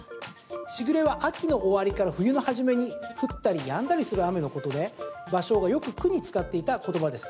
時雨は秋の終わりから冬の初めに降ったりやんだりする雨のことで芭蕉がよく句に使っていた言葉です。